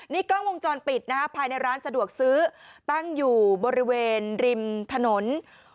นี่กล้องวงจรปิดนะฮะภายในร้านสะดวกซื้อตั้งอยู่บริเวณริมถนน